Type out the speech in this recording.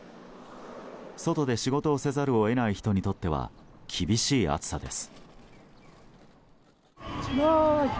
外で仕事をせざるを得ない人にとっては厳しい暑さです。